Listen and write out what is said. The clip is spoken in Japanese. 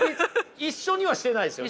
一緒にはしてないですよね？